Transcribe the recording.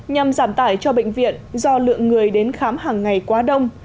nhằm giảm tải cho bệnh viện do lượng người đến khám hàng ngày quá đông